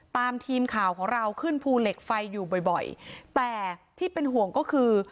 ทีมข่าวของเราขึ้นภูเหล็กไฟอยู่บ่อยบ่อยแต่ที่เป็นห่วงก็คือ